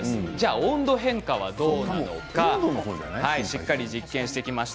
温度変化は、どうなのか実験していきました。